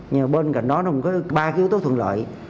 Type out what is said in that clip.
nhưng mà bên cạnh đó nó có ba yếu tố thuận lợi